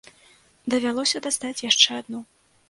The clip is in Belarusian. Давялося дастаць яшчэ адну.